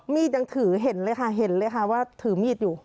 ยังถือเห็นเลยค่ะเห็นเลยค่ะว่าถือมีดอยู่